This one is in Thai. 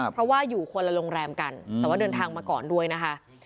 เพราะว่าอยู่คนละโรงแรมกันแต่ว่าเดินทางมาก่อนด้วยนะคะ